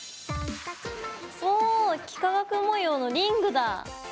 おお幾何学模様のリングだ！